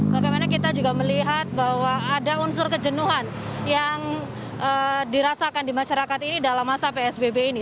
bagaimana kita juga melihat bahwa ada unsur kejenuhan yang dirasakan di masyarakat ini dalam masa psbb ini